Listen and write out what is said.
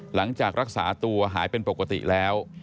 หลังจากรักษาตัวหายเป็นปกติแล้ว